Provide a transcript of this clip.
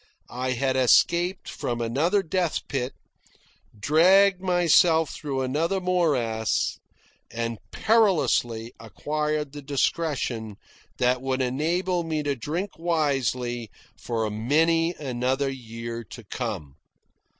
I had escaped from another death pit, dragged myself through another morass, and perilously acquired the discretion that would enable me to drink wisely for many another year to come.